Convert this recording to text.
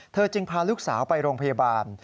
จึงพาลูกสาวไปโรงพยาบาล